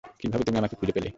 কিভাবে তুমি আমাকে খুঁজে পেলে?